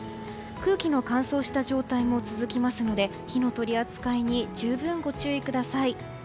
空気の乾燥した状態も続きますので火の取り扱いに十分ご注意ください。